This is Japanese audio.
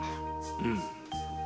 うん。